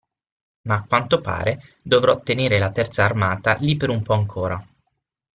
Ma a quanto pare dovrò tenere la terza armata lì per un po' ancora.